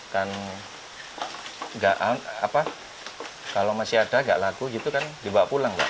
kan kalau masih ada nggak laku gitu kan dibawa pulang